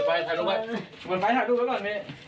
เปิดไฟหาลูกไว้ก่อน